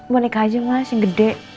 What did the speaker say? boneka aja mas yang gede